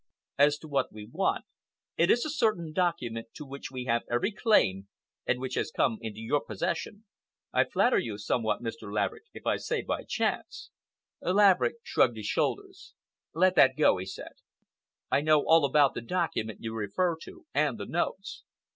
As to what we want, it is a certain document to which we have every claim, and which has come into your possession—I flatter you somewhat, Mr. Laverick, if I say by chance." Laverick shrugged his shoulders. "Let that go," he said. "I know all about the document you refer to, and the notes.